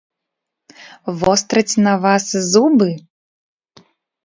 Востраць на вас зубы?